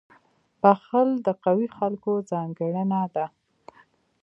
• بخښل د قوي خلکو ځانګړنه ده.